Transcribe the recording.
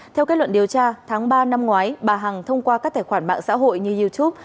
theo kết luận điều tra tháng ba năm ngoái bà hằng thông qua các tài khoản mạng xã hội như youtube